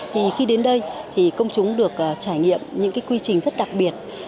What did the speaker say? thì khi đến đây thì công chúng được trải nghiệm những cái quy trình rất đặc biệt